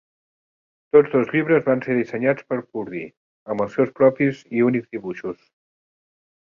Tots dos llibres van ser dissenyats per Purdy amb els seus propis i únics dibuixos.